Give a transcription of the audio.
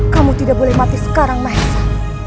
kamu tidak boleh mati sekarang mahesa